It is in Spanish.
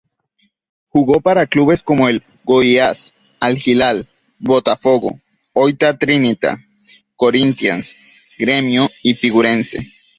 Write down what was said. Jugó para clubes como el Goiás, Al-Hilal, Botafogo, Oita Trinita, Corinthians, Grêmio y Figueirense.